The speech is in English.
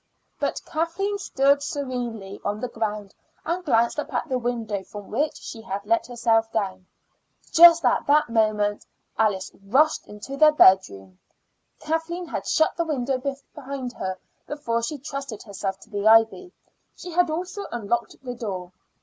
But Kathleen stood serenely on the ground, and glanced up at the window from which she had let herself down. Just at that moment Alice rushed into their bedroom. Kathleen had shut the window behind her before she trusted herself to the ivy; she had also unlocked the door.